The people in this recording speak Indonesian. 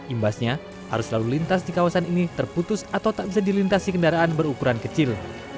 imbasnya arus lalu lintas di kawasan ini terputus atau tak bisa dilintasi kendaraan berukuran kecil